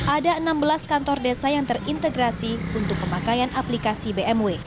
ada enam belas kantor desa yang terintegrasi untuk pemakaian aplikasi bmw